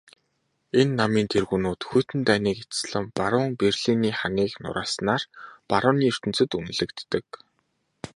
Энэ намын тэргүүнүүд хүйтэн дайныг эцэслэн баруун Берлиний ханыг нурааснаараа барууны ертөнцөд үнэлэгддэг.